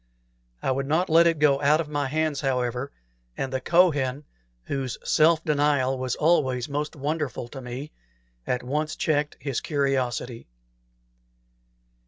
I would not let it go out of my own hands, however; and the Kohen, whose self denial was always most wonderful to me, at once checked his curiosity.